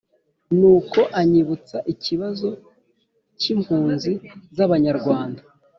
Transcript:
nuko anyibutsa ikibazo cy'impunzi z'abanyarwanda,